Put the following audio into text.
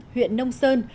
huyện nông sơn